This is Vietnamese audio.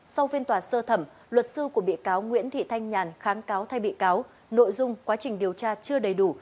sau phiên tòa sơ thẩm luật sư của bị cáo nguyễn thị thanh nhàn kháng cáo thay bị cáo nội dung quá trình điều tra chưa đầy đủ